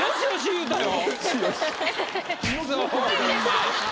言うたよ！